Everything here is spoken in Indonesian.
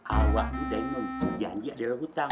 awak udah inget janji ada orang utang